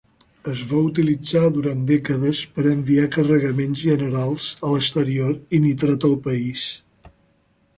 Es va utilitzar durant dècades per enviar carregaments generals a l'exterior i nitrat al país.